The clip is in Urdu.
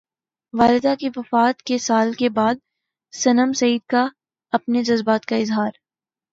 والدہ کی وفات کے سال بعد صنم سعید کا اپنے جذبات کا اظہار